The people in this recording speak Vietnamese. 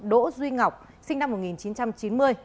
đỗ duy ngọc sinh năm một nghìn chín trăm chín mươi